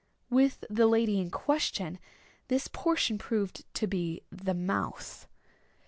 With the lady in question this portion proved to be the mouth.